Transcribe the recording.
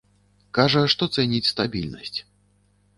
Кажа, што цэніць стабільнасць.